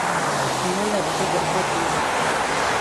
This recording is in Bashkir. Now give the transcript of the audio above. — Һиңә лә ҙур рәхмәт инде.